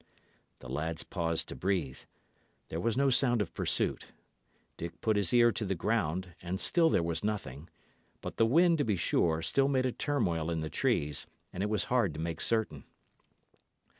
The lads paused to breathe. There was no sound of pursuit. Dick put his ear to the ground, and still there was nothing; but the wind, to be sure, still made a turmoil in the trees, and it was hard to make certain.